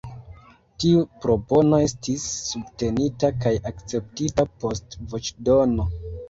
Tiu propono estis subtenita kaj akceptita post voĉdono.